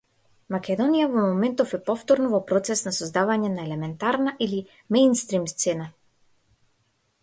Македонија во моментов е повторно во процес на создавање на елементарна или меинстрим сцена.